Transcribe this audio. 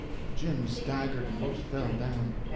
Jim staggered, and 'most fell down.